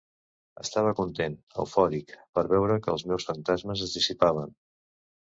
Estava content, eufòric, per veure que els meus fantasmes es dissipaven.